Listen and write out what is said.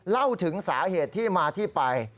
เล่าถึงสาเหตุที่มาที่ไป